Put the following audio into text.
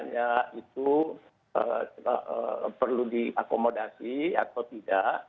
ya itu perlu diakomodasi atau tidak